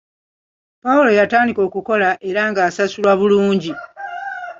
Pawulo yatandika okukola era ng'asasulwa bulungi.